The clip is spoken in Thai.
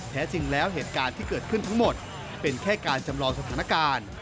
แท้จริงแล้วเหตุการณ์ที่เกิดขึ้นทั้งหมดเป็นแค่การจำลองสถานการณ์